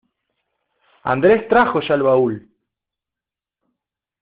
¡Andrés trajo ya el baúl!